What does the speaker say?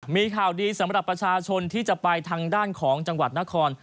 มีข่าวดีสำหรับประชาชนที่จะไปทางด้านของจังหวัดนคร